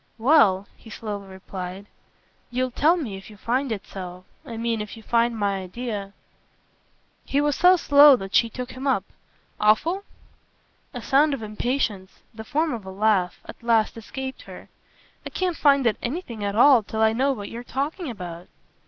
"Well," he slowly replied, "you'll tell me if you find it so. I mean if you find my idea " He was so slow that she took him up. "Awful?" A sound of impatience the form of a laugh at last escaped her. "I can't find it anything at all till I know what you're talking about."